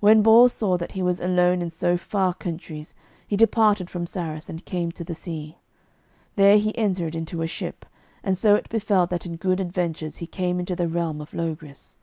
When Bors saw that he was alone in so far countries, he departed from Sarras and came to the sea. There he entered into a ship, and so it befell that in good adventure he came into the realm of Logris.